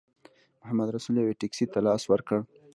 محمدرسول یوې ټیکسي ته لاس ورکړ.